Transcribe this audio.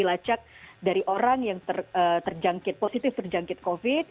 dilacak dari orang yang terjangkit positif terjangkit covid